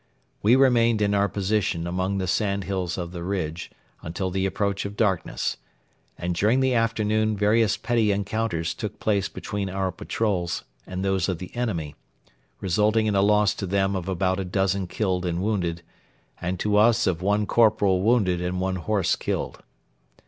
We remained in our position among the sandhills of the ridge until the approach of darkness, and during the afternoon various petty encounters took place between our patrols and those of the enemy, resulting in a loss to them of about a dozen killed and wounded, and to us of one corporal wounded and one horse killed.